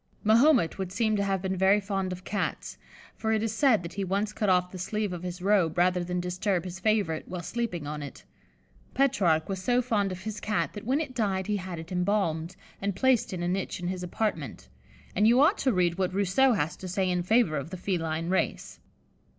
Mahomet would seem to have been very fond of Cats, for it is said that he once cut off the sleeve of his robe rather than disturb his favourite while sleeping on it. Petrarch was so fond of his Cat that when it died he had it embalmed, and placed in a niche in his apartment; and you ought to read what Rousseau has to say in favour of the feline race.